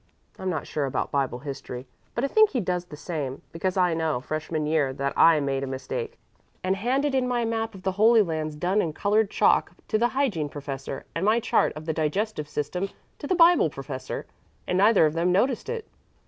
I'm not sure about Bible history, but I think he does the same, because I know, freshman year, that I made a mistake and handed in my map of the Holy Lands done in colored chalk to the hygiene professor, and my chart of the digestive system to the Bible professor, and neither of them noticed it.